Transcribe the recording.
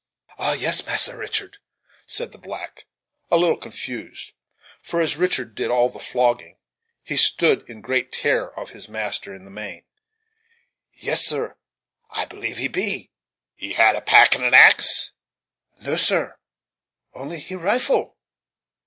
"Eh! yes, massa Richard," said the black, a little confused; for, as Richard did all the flogging, he stood in great terror of his master, in the main "Yes, sir, I b'lieve he be." "Had he a pack and an axe?" "No, sir, only he rifle."